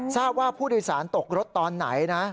ทราบว่าผู้โดยสารตกรถตอนไหนนะ